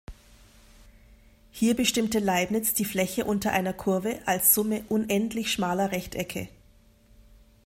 Hier bestimmte Leibniz die Fläche unter einer Kurve als Summe unendlich schmaler Rechtecke.